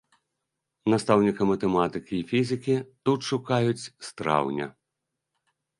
Настаўніка матэматыкі і фізікі тут шукаюць з траўня.